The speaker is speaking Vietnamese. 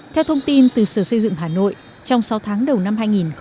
theo thông tin từ sở xây dựng hà nội trong sáu tháng đầu năm hai nghìn hai mươi